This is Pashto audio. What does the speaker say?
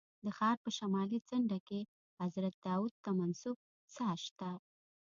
د ښار په شمالي څنډه کې حضرت داود ته منسوب څاه شته.